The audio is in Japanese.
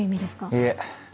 いえ。